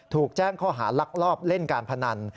ถูกแจ้งข้อหาลักลอบเล่นการพนัน